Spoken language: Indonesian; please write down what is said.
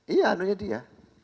iya itu dia